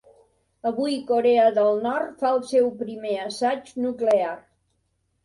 Avui Corea del Nord fa el seu primer assaig nuclear.